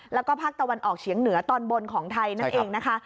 แล้วก็ภาคตะวันออกเฉียงเหนือตอนบนของไทยนั่นเองนะคะ